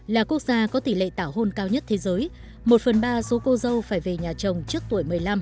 là quốc gia có tỷ lệ tảo hôn cao nhất thế giới một phần ba số cô dâu phải về nhà chồng trước tuổi một mươi năm